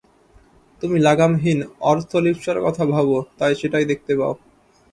তুমি লাগামহীন অর্থলিপ্সার কথা ভাবো, তাই সেটাই দেখতে পাও।